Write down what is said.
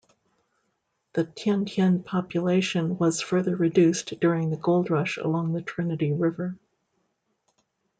The Tien-Tien population was further reduced during the gold rush along the Trinity River.